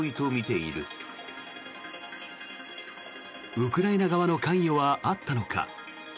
ウクライナ側の関与はあったのか。